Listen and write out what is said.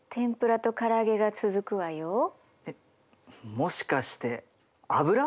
もしかして油？